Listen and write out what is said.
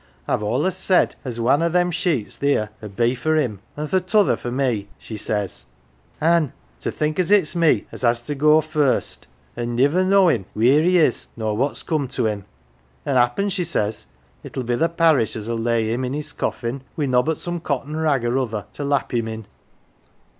I've allus said as wan o' them sheets theer 'ud be for him, an' th' t'other for me ;' she says, ' an' to think as it's me as has to go first, an' niver knowin' wheer he is, nor what's come to him ! An' happen,' she says, ' it'll be th' Parish as 'ull lay him in's coffin, wi' nobbut some cotton rag or other to lap him in.